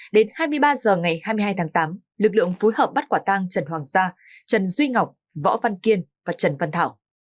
đến hai mươi ba h ngày hai mươi hai tháng tám lực lượng phối hợp bắt quả tang trần hoàng sa trần duy ngọc võ văn kiên và trần văn thảo